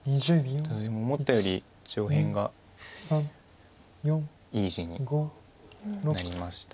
思ったより上辺がいい地になりました。